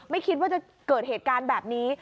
ไม่คิดว่าจะเกิดเหตุการณ์แบบนี้